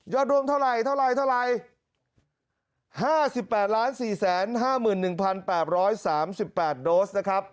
ยอดรวมเท่าไหร่เท่าไหร่เท่าไหร่ห้าสิบแปดล้านสี่แสนห้าหมื่นหนึ่งพันแปบร้อยสามสิบแปดโดสนะครับ